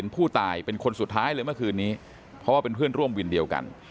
ผู้ตายเป็นคนสุดท้ายเลยเมื่อคืนนี้เพราะว่าเป็นเพื่อนร่วมวินเดียวกัน